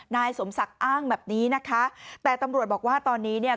นายสมศักดิ์อ้างแบบนี้นะคะแต่ตำรวจบอกว่าตอนนี้เนี่ย